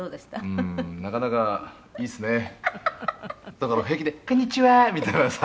「だから平気で“こんにちは！”みたいなさ」